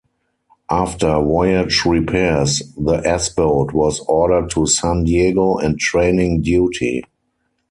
After voyage repairs, the S-boat was ordered to San Diego and training duty.